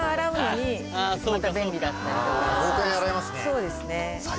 そうですね。